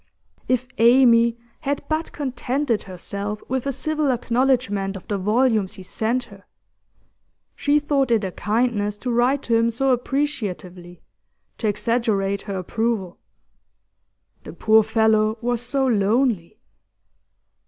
If Amy had but contented herself with a civil acknowledgment of the volumes he sent her! She thought it a kindness to write to him so appreciatively, to exaggerate her approval. The poor fellow was so lonely.